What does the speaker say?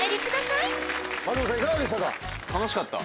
いかがでしたか？